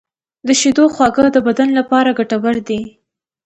د شیدو خواږه د بدن لپاره ګټور دي.